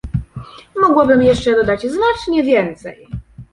Mogłabym jeszcze dodać znacznie więcej